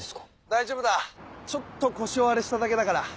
大丈夫だちょっと腰をアレしただけだから。